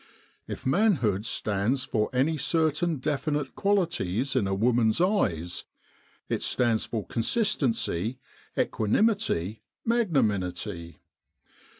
If manhood stands for any certain definite qualities in a woman's eyes it stands for consistency, equanimity, magnanimity.